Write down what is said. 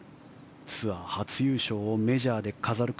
ツアー初優勝をメジャーで飾るか。